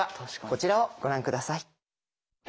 こちらをご覧下さい。